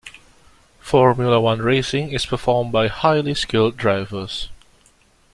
Formula one racing is performed by highly skilled drivers.